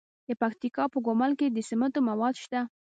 د پکتیکا په ګومل کې د سمنټو مواد شته.